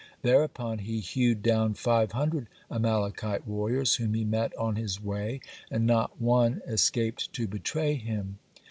Thereupon he hewed down five hundred Amalekite warriors whom he met on his way, and not one escaped to betray him.